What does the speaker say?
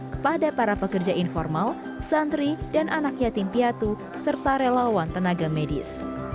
kepada para pekerja informal santri dan anak yatim piatu serta relawan tenaga medis